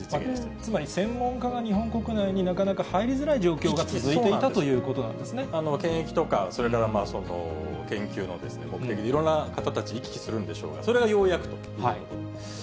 つまり専門家が日本国内になかなか入りづらい状況が続いてい検疫とか、それから研究の目的、いろんな方たち、行き来するんでしょうが、それがようやくということ。